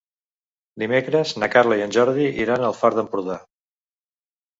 Dimecres na Carla i en Jordi iran al Far d'Empordà.